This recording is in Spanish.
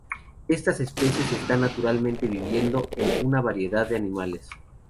Estas especies están naturalmente viviendo en una variedad de animales.